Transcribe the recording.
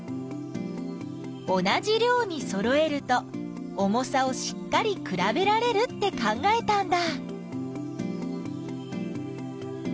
同じ量にそろえると重さをしっかりくらべられるって考えたんだ。